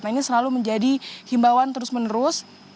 nah ini selalu menjadi himbawan terus menerus